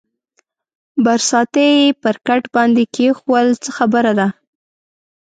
برساتۍ یې پر کټ باندې کېښوول، څه خبره ده؟